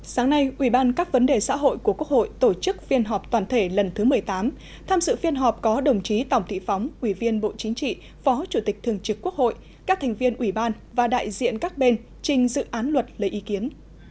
sáng nay ủy ban các vấn đề xã hội của quốc hội tổ chức phiên họp toàn thể lần thứ một mươi tám tham dự phiên họp có đồng chí tổng thị phóng ủy viên bộ chính trị phó chủ tịch thường trực quốc hội các thành viên ủy ban và đại diện các bên trình dự án luật lấy ý kiến